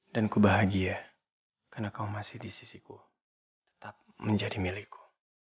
dan ku bahagia karena kau masih di sisiku tetap menjadi milikku